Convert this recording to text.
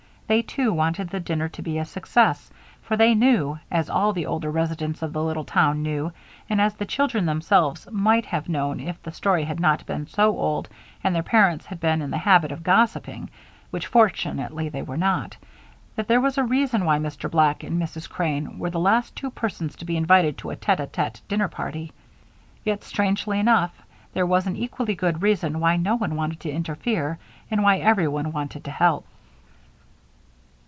They, too, wanted the dinner to be a success, for they knew, as all the older residents of the little town knew and as the children themselves might have known if the story had not been so old and their parents had been in the habit of gossiping (which fortunately they were not) that there was a reason why Mr. Black and Mrs. Crane were the last two persons to be invited to a tête à tête dinner party. Yet, strangely enough, there was an equally good reason why no one wanted to interfere and why everyone wanted to help.